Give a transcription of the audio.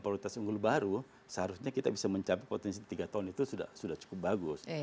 kalau kita mencari yang pariwitas unggul baru seharusnya kita bisa mencapai potensi tiga ton itu sudah cukup bagus